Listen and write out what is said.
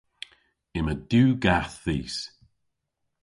Yma diw gath dhis.